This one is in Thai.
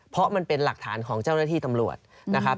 เพราะมันเป็นหลักฐานของเจ้าหน้าที่ตำรวจนะครับ